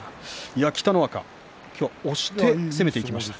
北の若、今日は押して攻めていきました。